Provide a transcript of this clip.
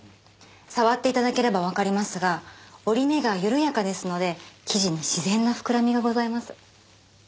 触っていただければわかりますが織り目がゆるやかですので生地に自然なふくらみがございます。